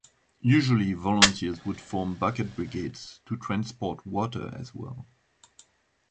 Usually, volunteers would form bucket brigades to transport water as well.